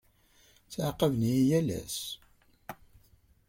Ttɛaqaben-iyi yal ass.